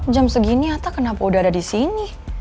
jam segini ata kenapa udah ada disini